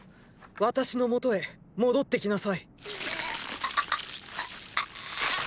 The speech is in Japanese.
私の元へ戻って来なさい。ッ！！